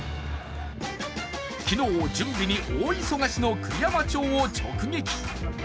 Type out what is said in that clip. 昨日、準備に大忙しの栗山町を直撃。